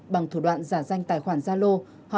bằng thủ đoạn giả danh tài khoản gia lô